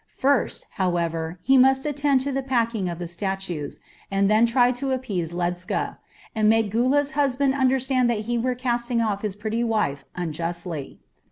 First, however, he must attend to the packing of the statues, and then try to appease Ledscha, and make Gula's husband understand that he was casting off his pretty wife unjustly.